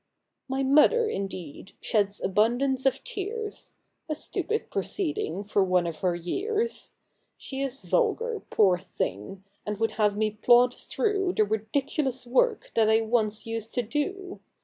" My mother, indeed, sheds abundance of tears, (A stupid proceeding for one of her years ;) She is vulgar, poor thing, and would have me plod through The ridiculous work that I once used to do.